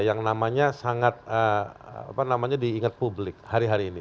yang namanya sangat diingat publik hari hari ini